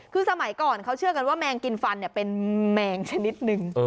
คือสมัยก่อนเขาเชื่อกันว่าแมงกินฟันเป็นแมงชนิดนึง